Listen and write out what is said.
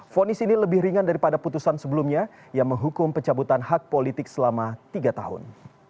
fonis ini lebih ringan daripada putusan sebelumnya yang menghukum pencabutan hak politik selama tiga tahun